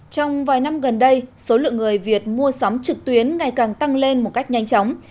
trong vài năm gần đây số lượng người việt mua sắm trực tuyến ngày càng tăng lên một cách nhanh chóng